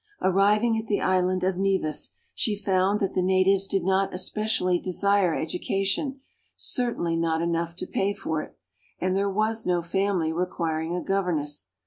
Arriving at the island of Nevis, she found that the natives did not especially desire education, certainly not enough to pay for it, and there was no family requiring a governess.